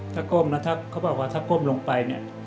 ถ้าก้มนะถ้าเขาบอกว่าถ้าก้มลงไปเนี่ย